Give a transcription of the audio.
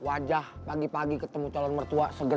wajah pagi pagi ketemu calon mertua